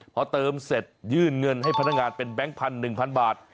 พอเติมเสร็จยื่นเงินให้พนักงานเป็นแก๊งพัน๑๐๐บาท